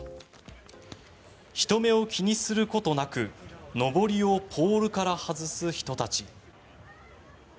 人目を気にすることなくのぼりをポールから外す人たち。